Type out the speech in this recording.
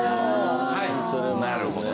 なるほど！